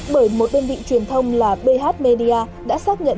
bởi một bên vị truyền thông là bh media đã xác nhận